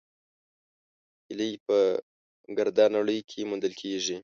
هیلۍ په ګرده نړۍ کې موندل کېږي